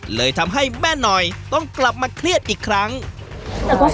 เพื่อความสะดวกในเรื่องเอกสารในการเรียนต่างในอนาคต